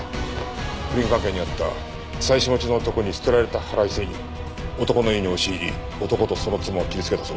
不倫関係にあった妻子持ちの男に捨てられた腹いせに男の家に押し入り男とその妻を切りつけたそうだ。